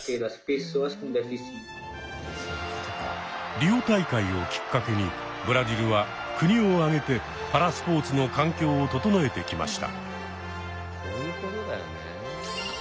リオ大会をきっかけにブラジルは国を挙げてパラスポーツの環境を整えてきました。